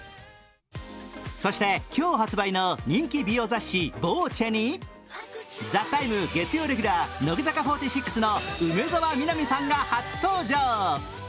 そして今日発売の人気美容雑誌「ＶＯＣＥ」に「ＴＨＥＴＩＭＥ，」月曜レギュラー乃木坂４６の梅澤美波さんが初登場。